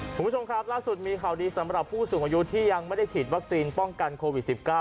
คุณผู้ชมครับล่าสุดมีข่าวดีสำหรับผู้สูงอายุที่ยังไม่ได้ฉีดวัคซีนป้องกันโควิด๑๙